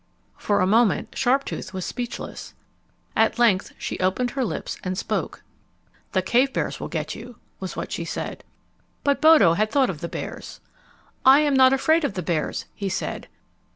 For a moment Sharptooth was speechless. At length she opened her lips and spoke. "The cave bears will get you," was what she said. But Bodo had thought of the bears. "I am not afraid of the bears," he said.